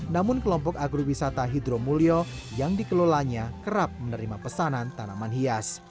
namun kelompok agrowisata hidro mulyo yang dikelolanya kerap menerima pesanan tanaman hias